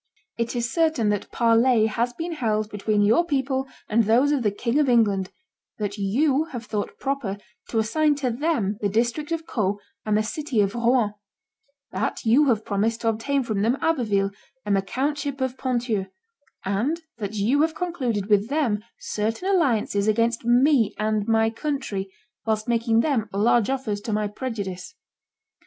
It is certain that parley has been held between your people and those of the King of England, that you have thought proper to assign to them the district of Caux and the city of Rouen; that you have promised to obtain from them Abbeville and the count ship of Ponthieu, and that you have concluded with them certain alliances against me and my country, whilst making them large offers to my prejudice.